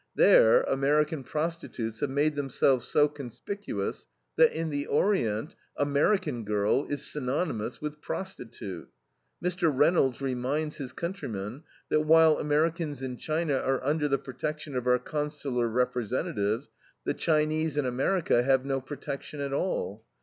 There American prostitutes have made themselves so conspicuous that in the Orient "American girl" is synonymous with prostitute. Mr. Reynolds reminds his countrymen that while Americans in China are under the protection of our consular representatives, the Chinese in America have no protection at all.